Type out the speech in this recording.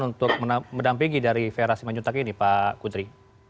untuk mendampingi dari fera siman juntag ini pak kudri